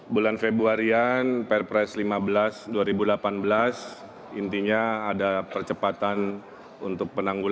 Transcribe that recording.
bulan februarian perpres lima belas dua ribu delapan belas intinya ada percepatan untuk penanggulangan